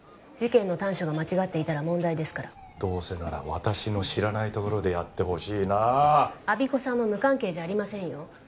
事件の端緒が間違っていたら問題ですからどうせなら私の知らないところでやってほしいなあ我孫子さんも無関係じゃありませんよ